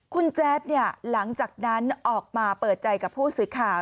คุณแจ๊ดเนี่ยหลังจากนั้นออกมาเปิดใจกับผู้สื่อข่าว